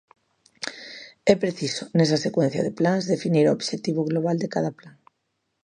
É preciso, nesa secuencia de plans, definir o obxectivo global de cada plan.